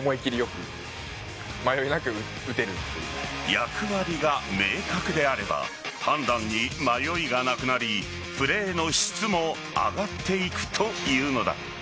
役割が明確であれば判断に迷いがなくなりプレーの質も上がっていくというのだ。